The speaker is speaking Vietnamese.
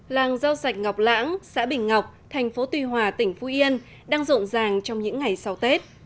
làng rau sạch ngọc lãng xã bình ngọc thành phố tuy hòa tỉnh phú yên đang rộn ràng trong những ngày sau tết